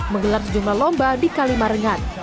menggelar sejumlah lomba di kalimarengan